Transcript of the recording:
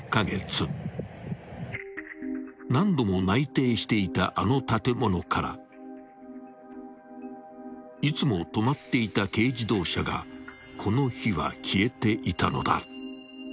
［何度も内偵していたあの建物からいつも止まっていた軽自動車がこの日は消えていたのだ］